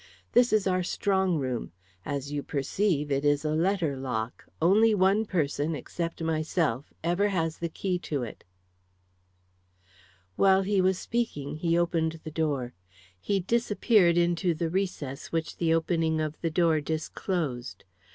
"This is our strong room. As you perceive, it is a letter lock. Only one person, except myself, ever has the key to it." While he was speaking he opened the door. He disappeared into the recess which the opening of the door disclosed.